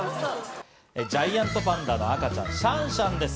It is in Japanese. ジャイアントパンダの赤ちゃん、シャンシャンです。